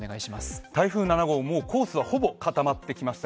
台風７号、もうコースはほぼ固まってきました。